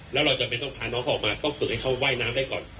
แล้วเราจำเป็นต้องพาน้องเขาออกมาต้องฝึกให้เขาว่ายน้ำได้ก่อน